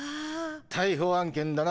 逮捕案件だな。